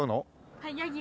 はいヤギが。